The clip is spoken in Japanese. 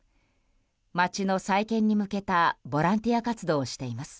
街の再建に向けたボランティア活動をしています。